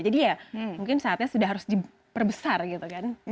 jadi ya mungkin saatnya sudah harus diperbesar gitu kan